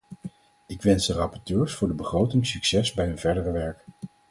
Ik wens de rapporteurs voor de begroting succes bij hun verdere werk.